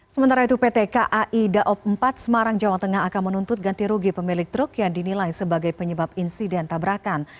sementara itu pt kai daob empat semarang jawa tengah akan menuntut ganti rugi pemilik truk yang dinilai sebagai penyebab insiden tabrakan